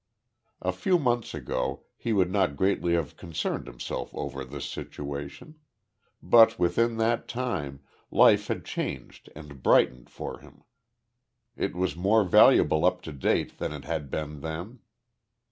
A few months ago, he would not greatly have concerned himself over this situation. But within that time, life had changed and brightened for him. It was more valuable up to date than it had been then.